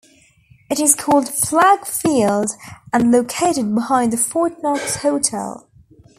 It is called Flagg Field and located behind the Fort Knox Hotel.